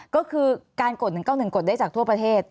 ก็คือการกด๑๙๑กดได้จากทั่วประเทศ